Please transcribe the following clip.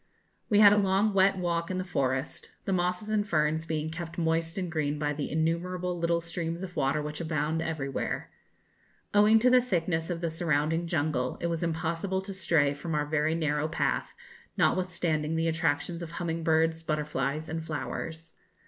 We had a long wet walk in the forest; the mosses and ferns being kept moist and green by the innumerable little streams of water which abound everywhere. Owing to the thickness of the surrounding jungle, it was impossible to stray from our very narrow path, notwithstanding the attractions of humming birds, butterflies, and flowers.